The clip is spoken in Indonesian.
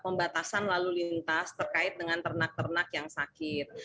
pembatasan lalu lintas terkait dengan ternak ternak yang sakit